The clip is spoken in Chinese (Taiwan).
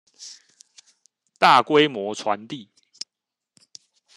大規模傳遞